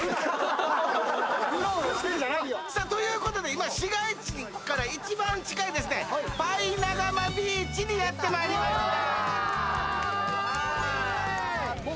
今、市街地から一番近いパイナガマビーチにやってまいりました。